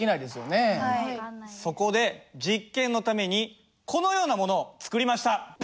そこで実験のためにこのような物を作りました。